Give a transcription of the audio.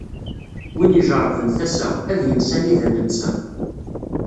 Win ijeṛben tasa, ad yens anida nensa.